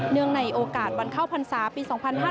ในโอกาสวันเข้าพรรษาปี๒๕๕๙